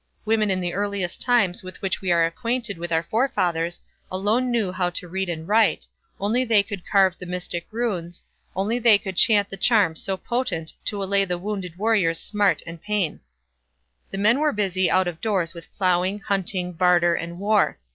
Women in the earliest times with which we are acquainted with our forefathers, alone knew how to read and write, they only could carve the mystic runes, they only could chant the charms so potent to allay the wounded warrior's smart and pain. The men were busy out of doors with ploughing, hunting, barter, and war.